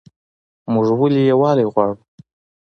موږ ولې یووالی غواړو؟